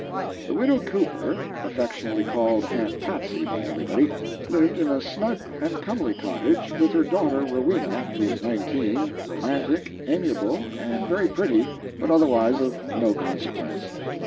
The widow Cooper affectionately called "aunt Patsy" by everybody lived in a snug and comely cottage with her daughter Rowena, who was nineteen, romantic, amiable, and very pretty, but otherwise of no consequence.